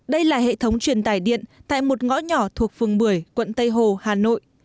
đây là hệ thống truyền tải điện tại một ngõ nhỏ thuộc phường một mươi quận tây hồ hà nội